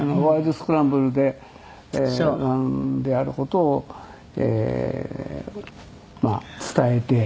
スクランブル』でがんである事を伝えて。